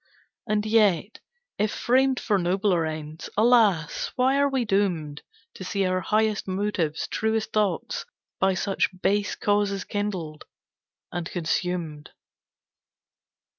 And yet, if framed for nobler ends, Alas, why are we doomed To see our highest motives, truest thoughts, By such base causes kindled, and consumed?